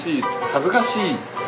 恥ずかしい。